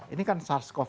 ini kan sars cov dua